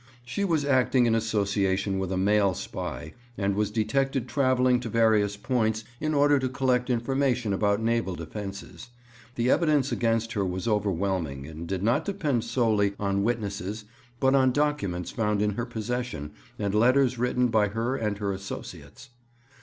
She was acting in association with a male spy, and was detected travelling to various points in order to collect information about naval defences. The evidence against her was overwhelming, and did not depend solely on witnesses, but on documents found in her possession and letters written by her and her associates.